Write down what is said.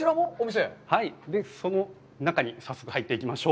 その中に早速入っていきましょう。